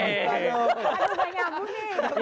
harus lah ya